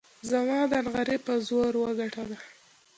زما د نعرې په زور وګټله.